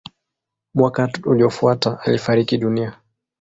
Mwaka uliofuata alifariki dunia.